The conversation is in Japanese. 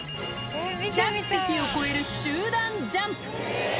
１００匹を超える集団ジャンプ。